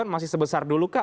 masih sebesar dulu kah